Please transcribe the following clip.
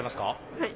はい。